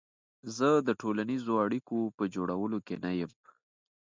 زه د ټولنیزو اړیکو په جوړولو کې نه یم.